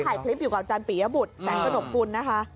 นี่ถ่ายคลิปอยู่กับจานปียบุฏแสงกระนอบกุลนะคะ